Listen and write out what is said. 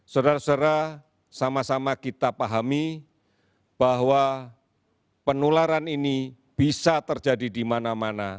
saudara saudara sama sama kita pahami bahwa penularan ini bisa terjadi di mana mana